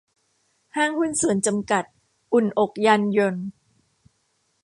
ห้างหุ้นส่วนจำกัด อุ่นอกยานยนต์